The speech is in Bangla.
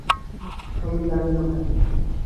আমি জানি না ভাই।